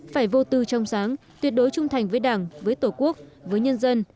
phải vô tư trong sáng tuyệt đối trung thành với đảng với tổ quốc với nhân dân